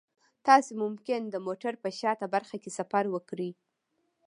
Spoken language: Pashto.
تاسو ممکن د موټر په شاته برخه کې سفر وکړئ